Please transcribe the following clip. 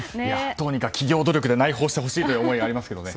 どうにか企業で内包してほしい思いがありますけどね。